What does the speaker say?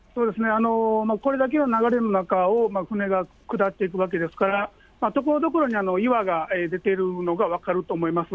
これだけの流れの中を舟が下っていくわけですから、ところどころに岩が出ているのが分かると思います。